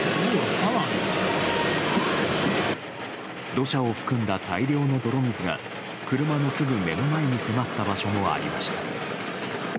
土砂を含んだ大量の泥水が車のすぐ目の前に迫った場所もありました。